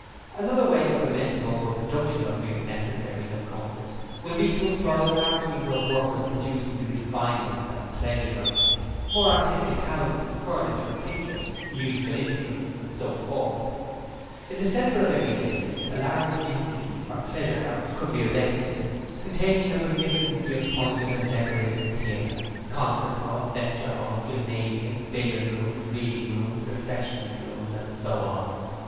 'Another way of preventing over production of mere necessaries and comforts will be to employ a large number of workers producing the refinements and pleasures of life, more artistic houses, furniture, pictures, musical instruments and so forth. 'In the centre of every district a large Institute or pleasure house could be erected, containing a magnificently appointed and decorated theatre; Concert Hall, Lecture Hall, Gymnasium, Billiard Rooms, Reading Rooms, Refreshment Rooms, and so on.